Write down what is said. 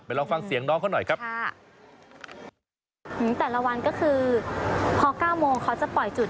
ไปลองฟังเสียงน้องเขาหน่อยครับค่ะอืมแต่ละวันก็คือพอเก้าโมงเขาจะปล่อยจุด